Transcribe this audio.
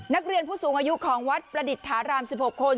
นักเรียนผู้สูงอายุของวัดประดิษฐาราม๑๖คน